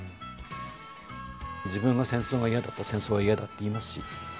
自分が戦争が嫌だったら「戦争は嫌だ」って言いますし。